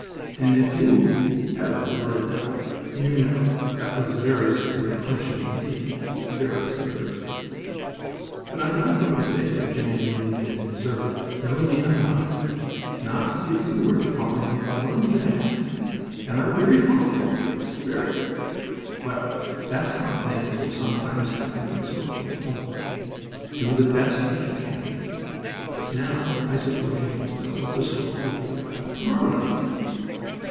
And if you ever were a duck you know that was very severe punishment indeed, very severe. But I'm not going to say that Jimmie and Lulu didn't deserve it, no indeed I'm not; not if you were to offer me an orange and a half; and I'm very fond of oranges; very. Well, that's how things will sometimes happen in this world, won't they? do the best that you can. But now I suppose you want to know what the story will be about to morrow night.